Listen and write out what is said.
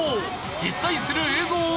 実在する映像は。